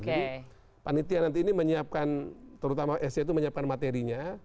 jadi panitia nanti ini menyiapkan terutama sc itu menyiapkan materinya